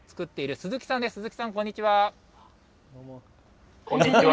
すずきさん、こんにちは。